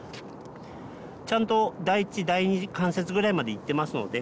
ちゃんと第一第二関節ぐらいまでいってますので。